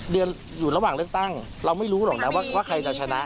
เดือนอยู่ระหว่างเลือกตั้งเราไม่รู้หรอกนะว่าใครจะชนะ